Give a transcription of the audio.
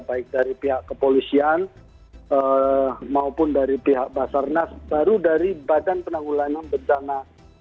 baik dari pihak kepolisian maupun dari pihak basarnas baru dari badan penanggulangan bencana